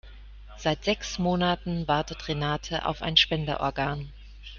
Seit sechs Monaten wartet Renate auf ein Spenderorgan.